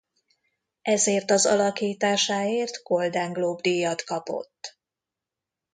Ezért az alakításáért Golden Globe-díjat kapott.